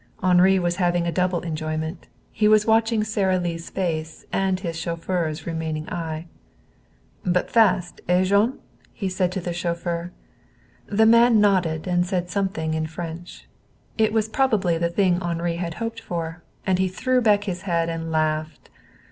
Henri was having a double enjoyment. He was watching Sara Lee's face and his chauffeur's remaining eye. "But fast; eh, Jean?" he said to the chauffeur. The man nodded and said something in French. It was probably the thing Henri had hoped for, and he threw back his head and laughed.